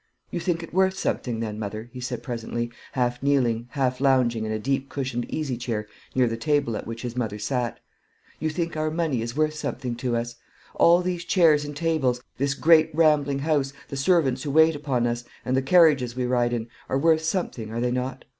"You think it worth something, then, mother?" he said presently, half kneeling, half lounging in a deep cushioned easy chair near the table at which his mother sat. "You think our money is worth something to us? All these chairs and tables, this great rambling house, the servants who wait upon us, and the carriages we ride in, are worth something, are they not?